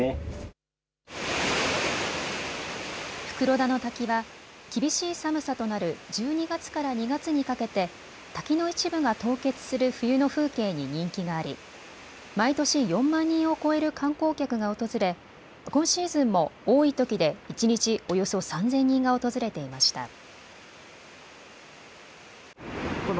袋田の滝は厳しい寒さとなる１２月から２月にかけて滝の一部が凍結する冬の風景に人気があり、毎年４万人を超える観光客が訪れ今シーズンも多いときで一日およそ３０００人が訪れていました。